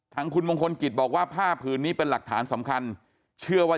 ทางคุณมงคลกิจบอกว่าผ้าผืนนี้เป็นหลักฐานสำคัญเชื่อว่า